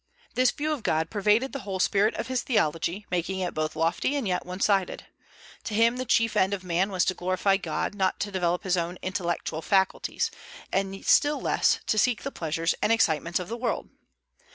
This view of God pervaded the whole spirit of his theology, making it both lofty and yet one sided. To him the chief end of man was to glorify God, not to develop his own intellectual faculties, and still less to seek the pleasures and excitements of the world.